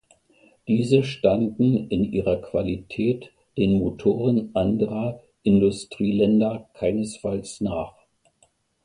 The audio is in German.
Diese standen in ihrer Qualität den Motoren anderer Industrieländer keinesfalls nach.